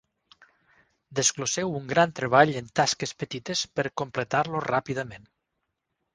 Desglosseu un gran treball en tasques petites per completar-lo ràpidament.